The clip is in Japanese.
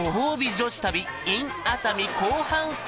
女子旅ｉｎ熱海後半戦！